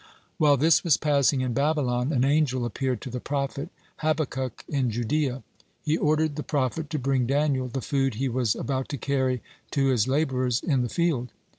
While this was passing in Babylon, an angel appeared to the prophet Habakkuk in Judea. He ordered the prophet to bring Daniel the food he was about to carry to his laborers in the field.